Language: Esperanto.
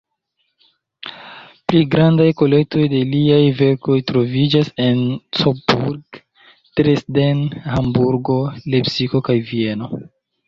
Pli grandaj kolektoj de liaj verkoj troviĝas en Coburg, Dresden, Hamburgo, Lepsiko kaj Vieno.